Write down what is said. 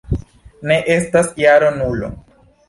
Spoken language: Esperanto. Ne estas jaro Nulo.